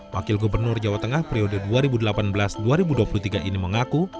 wakil gubernur jawa tengah periode dua ribu delapan belas dua ribu dua puluh tiga ini mengaku